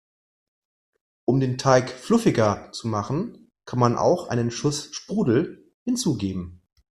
Um den Teig fluffiger zu machen, kann man auch einen Schuss Sprudel hinzugeben.